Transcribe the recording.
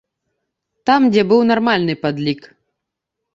Там, дзе быў нармальны падлік.